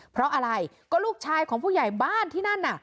เพราะอะไรก็ลูกชายของผู้ใหญ่บ้านที่นั่นน่ะ